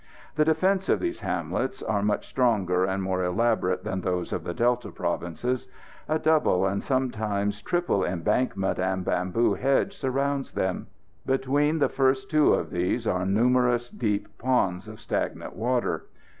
The defences of these hamlets are much stronger and more elaborate than those of the Delta provinces. A double and sometimes triple embankment and bamboo hedge surrounds them. Between the first two of these are numerous deep ponds of stagnant water.